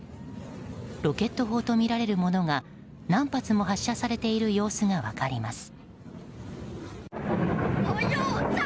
ロケット砲とみられるものが何発も発射されている様子が分かります。